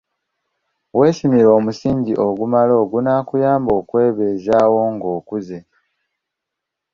"Weesimira omusingi ogumala, ogunaakuyamba okwebeezaawo ng'okuze."